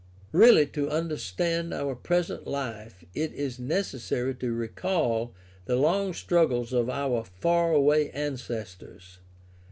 Really to understand our present life it is necessary to recall the long struggles of our far away ancestors.